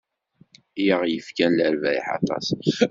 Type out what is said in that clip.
I ak-yefkan lerbayeḥ aṭas.